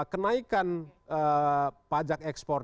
kenaikan pajak ekspor